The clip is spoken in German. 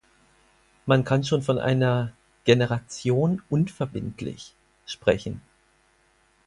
Man kann schon von einer "Generation unverbindlich" sprechen.